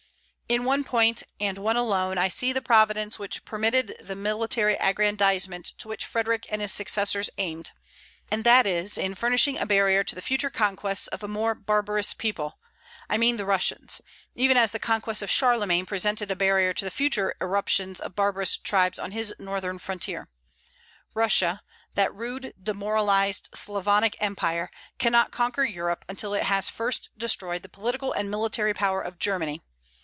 In one point, and one alone, I see the Providence which permitted the military aggrandizement to which Frederic and his successors aimed; and that is, in furnishing a barrier to the future conquests of a more barbarous people, I mean the Russians; even as the conquests of Charlemagne presented a barrier to the future irruptions of barbarous tribes on his northern frontier. Russia that rude, demoralized, Slavonic empire cannot conquer Europe until it has first destroyed the political and military power of Germany.